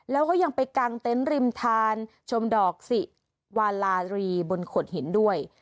แล้วก็ยังไปกางเต็นต์ริมทานชมดอกสิวาลารีบนขดหินด้วย